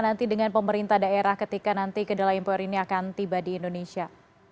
nanti dengan pemerintah daerah ketika nanti kedelai impor ini akan tiba di indonesia